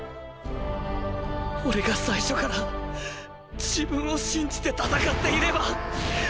オレが最初から自分を信じて戦っていれば。